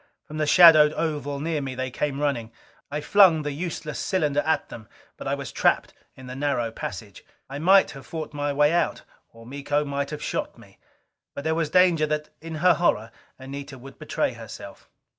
From the shadowed oval near me they came running. I flung the useless cylinder at them. But I was trapped in the narrow passage. I might have fought my way out. Or Miko might have shot me. But there was the danger that, in her horror, Anita would betray herself.